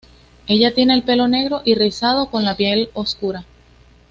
Ella tiene el pelo negro y rizado con la piel oscura.